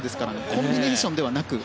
コンビネーションではなく。